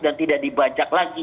dan tidak dibacak lagi